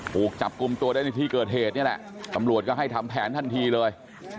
ถูกจับกลุ่มตัวได้ในที่เกิดเหตุนี่แหละตำรวจก็ให้ทำแผนทันทีเลย